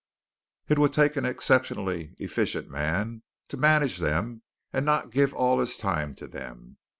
It would take an exceptionally efficient man to manage them and not give all his time to them.